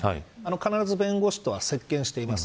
必ず弁護士とは接見しています。